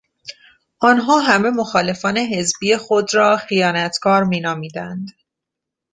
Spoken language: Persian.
آنان همه مخالفان حزبی خود را خیانتکار مینامیدند.